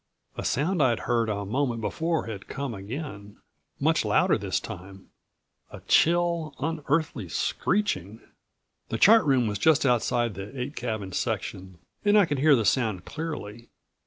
A sound I'd heard a moment before had come again, much louder this time a chill, unearthly screeching. The chart room was just outside the eight cabin section and I could hear the sound clearly.